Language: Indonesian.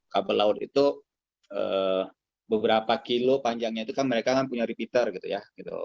kabel laut itu beberapa kilo panjangnya itu kan mereka kan punya repeater gitu ya